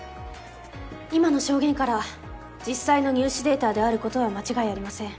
今の証言から実際の入試データであることは間違いありません。